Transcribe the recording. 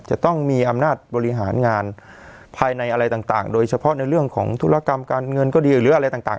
จะต้องมีอำนาจบริหารงานภายในอะไรต่างโดยเฉพาะในเรื่องของธุรกรรมการเงินก็ดีหรืออะไรต่าง